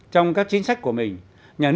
trong các chính sách của mình